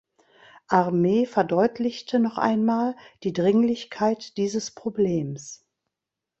Armee verdeutlichte noch einmal die Dringlichkeit dieses Problems.